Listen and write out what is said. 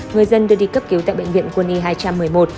người dân đưa đi cấp cứu tại bệnh viện quân y hai trăm một mươi một